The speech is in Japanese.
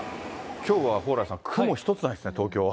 きょうは蓬莱さん、雲一つないですね、東京は。